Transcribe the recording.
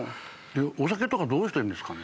お酒とかどうしてるんですかね。